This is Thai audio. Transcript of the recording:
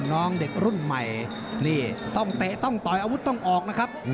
นี่ต้องเปะต้องต่อยแล้วต้องออกนะครับ